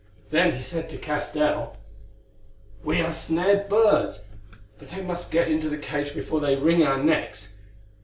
Then he said to Castell: "We are snared birds; but they must get into the cage before they wring our necks.